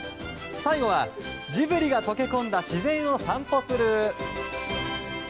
最後は、ジブリが溶け込んだ自然を散歩する！